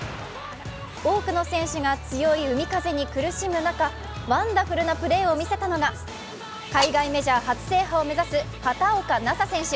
多くの選手が強い海風に苦しむ中、ワンダフルなプレーを見せたのが海外メジャー初制覇を目指す畑岡奈紗選手。